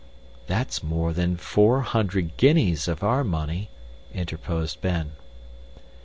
"That's more than four hundred guineas of our money," interposed Ben.